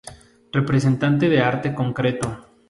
Representante de arte concreto.